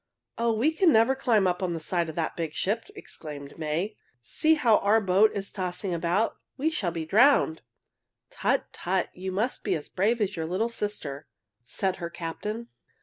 "Oh, we can never climb up over the side of that big ship!" exclaimed May. "See how our boat is tossing about. We shall be drowned!" "Tut! tut! You must be as brave as your little sister," said her captain.